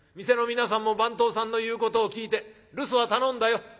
店の皆さんも番頭さんの言うことを聞いて留守は頼んだよ。